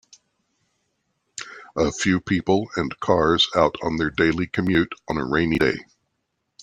A few people and cars out on their daily commute on a rainy day.